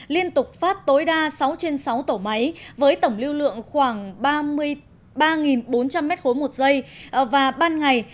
liên tục phát tối đa sáu trên sáu tổ máy với tổng lưu lượng khoảng ba mươi ba bốn trăm linh m ba một giây và ban ngày